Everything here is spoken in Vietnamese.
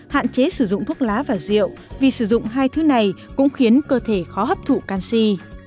hạn chế sử dụng thuốc lá và rượu vì sử dụng hai thứ này cũng khiến cơ thể khó hấp thụ canxi